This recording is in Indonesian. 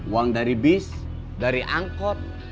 uang dari bis dari angkot